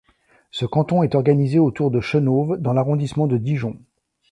Ce canton est organisé autour de Chenôve dans l'arrondissement de Dijon.